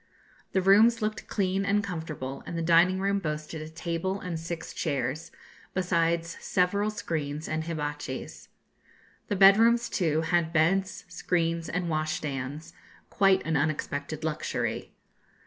The rooms looked clean and comfortable, and the dining room boasted a table and six chairs, besides several screens and hibatchis. The bedrooms, too, had beds, screens, and washstands; quite an unexpected luxury.